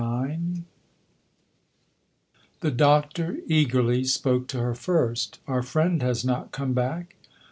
IX THE Doctor, eagerly, spoke to her first. " Our friend has not come back